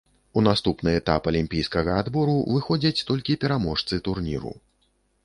У наступны этап алімпійскага адбору выходзяць толькі пераможцы турніру.